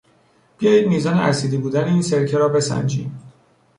بیایید میزان اسیدی بودن این سرکه را بسنجیم.